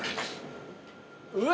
うわ！